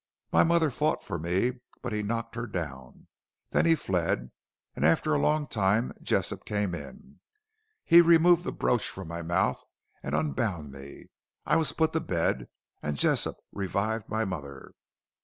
My mother fought for me, but he knocked her down. Then he fled, and after a long time Jessop came in. He removed the brooch from my mouth and unbound me. I was put to bed, and Jessop revived my mother.